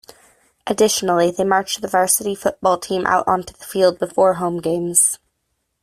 Additionally, they march the varsity football team out onto the field before home games.